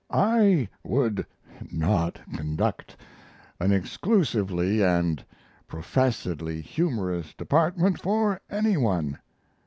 I would not conduct an exclusively and professedly humorous department for any one.